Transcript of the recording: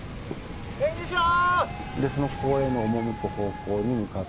返事しろ！